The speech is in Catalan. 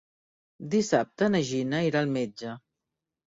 Dissabte na Gina irà al metge.